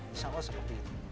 insya allah seperti itu